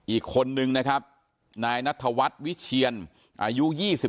อีกคนนึงนะครับนายนัทวัฒน์วิเชียนอายุ๒๓